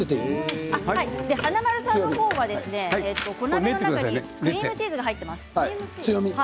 華丸さんの方は小鍋の中にクリームチーズが入っています。